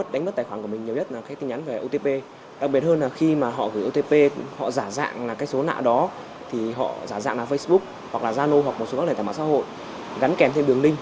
thì họ giả dạng là facebook hoặc là zano hoặc một số các tài khoản mạng xã hội gắn kèm thêm đường link